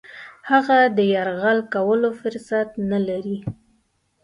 هغه د یرغل کولو فرصت نه لري.